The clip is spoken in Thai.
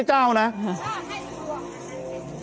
เจ้าให้กลัว